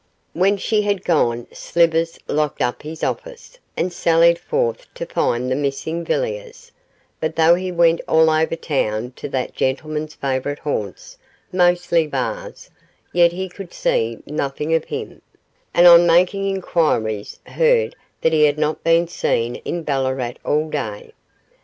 When she had gone Slivers locked up his office, and sallied forth to find the missing Villiers, but though he went all over town to that gentleman's favourite haunts, mostly bars, yet he could see nothing of him; and on making inquiries heard that he had not been seen in Ballarat all day.